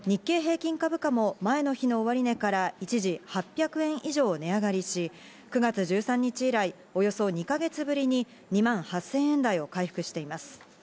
日経平均株価も前の日の終値から一時８００円以上値上がりし、９月１３日以来、およそ２か月ぶりに２万８０００円台を回復しています。